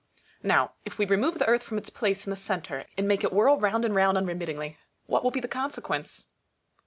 Now, if we remove the Earth from its place in the centre, and make it whirl round and round unremittingly, what will be the consequence